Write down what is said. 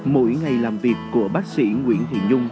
mỗi ngày làm việc của bác sĩ nguyễn thị dung